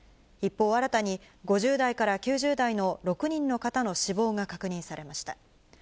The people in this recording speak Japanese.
一方、新たに５０代から９０代の６人の方の死亡が確認されました。